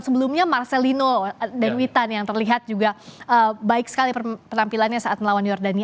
sebelumnya marcelino dewitan yang terlihat juga baik sekali penampilannya saat melawan jordania